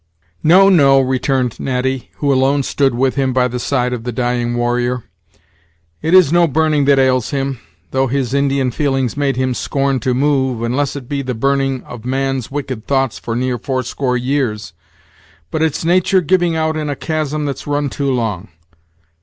"No, no," returned Natty, who alone stood with him by the side of the dying warrior; "it is no burning that ails him, though his Indian feelings made him scorn to move, unless it be the burning of man's wicked thoughts for near fourscore years; but it's natur' giving out in a chasm that's run too long.